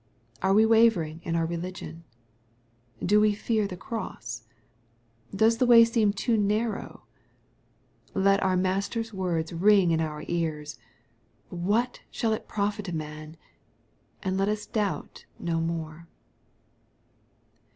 Are we wavering in our re ligion ? Do we fear the cross ? Does the way seem too narrow ? Let our Master's words ring in our ears, " What shall it profit a man ?" and let us doubt no more.